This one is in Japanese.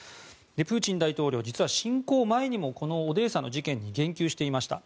プーチン大統領実は侵攻前にもこのオデーサの事件に言及していました。